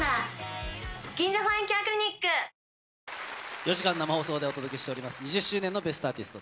４時間生放送でお届けしています、２０周年の『ベストアーティスト』。